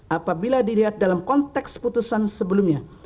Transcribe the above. apabila dilihat dalam konteks putusan sebelumnya